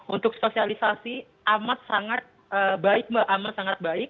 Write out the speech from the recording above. untuk sosialisasi amat sangat baik mbak amat sangat baik